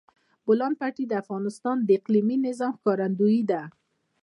د بولان پټي د افغانستان د اقلیمي نظام ښکارندوی ده.